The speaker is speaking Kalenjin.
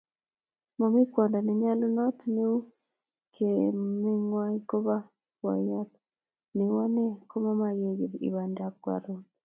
Momie kwondo nenyolunot neu kamengwong koboi boiyot neu ane komamake kiy ibindap karon